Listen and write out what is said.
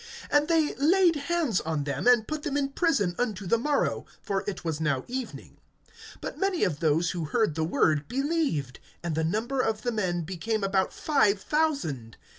(3)And they laid hands on them, and put them in prison unto the morrow; for it was now evening. (4)But many of those who heard the word believed; and the number of the men became about five thousand.